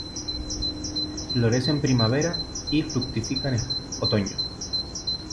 Florece en primavera y fructifica en otoño.